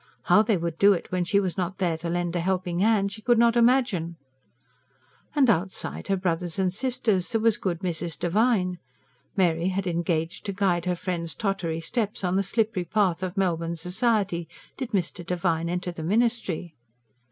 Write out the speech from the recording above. How they would do it when she was not there to lend a helping hand, she could not imagine. And outside her brothers and sisters there was good Mrs. Devine. Mary had engaged to guide her friend's tottery steps on the slippery path of Melbourne society, did Mr. Devine enter the ministry.